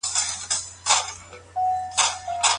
هغه څوک چې عادل وي، د الله او بنده په وړاندې محبوب وي.